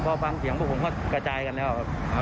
พอฟังเสียงพวกผมก็กระจายกันแล้วครับ